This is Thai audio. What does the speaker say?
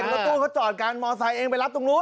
ตัวตู้เขาจอดการมอสไทยเองไปรับตรงนู้น